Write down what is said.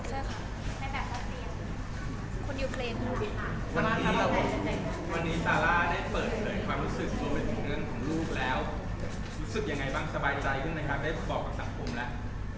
รู้สึกยังไงบ้างสบายใจขึ้นไหมครับได้พบกับสังคมแล้ว